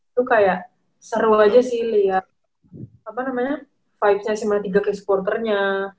itu kayak seru aja sih liat apa namanya vibesnya sma tiga kayak supporternya